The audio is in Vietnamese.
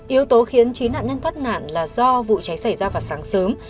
yếu tố khiến chín nạn nhân thoát nạn là do vụ cháy xảy ra vào sáng sớm